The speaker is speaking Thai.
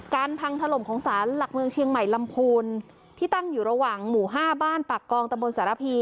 พังถล่มของสารหลักเมืองเชียงใหม่ลำพูนที่ตั้งอยู่ระหว่างหมู่ห้าบ้านปากกองตะบนสารพี